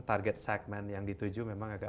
target segmen yang dituju memang agak